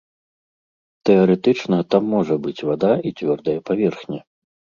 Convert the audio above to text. Тэарэтычна, там можа быць вада і цвёрдая паверхня.